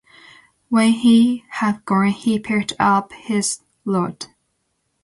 When he had gone, he picked up his rod.